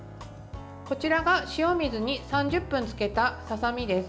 こちらが塩水に３０分つけたささみです。